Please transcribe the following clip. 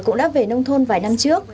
cũng đã về nông thôn vài năm trước